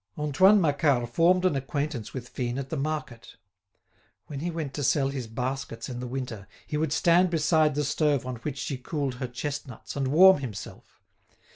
Antoine Macquart formed an acquaintance with Fine at the market. When he went to sell his baskets in the winter he would stand beside the stove on which she cooled her chestnuts and warm himself.